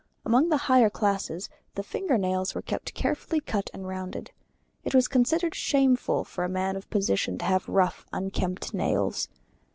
Among the higher classes the finger nails were kept carefully cut and rounded. It was considered shameful for a man of position to have rough unkempt nails.